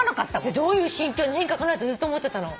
どういう心境の変化かなってずっと思ってたの。